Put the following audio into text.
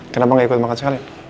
kenapa gak ikut makan sekali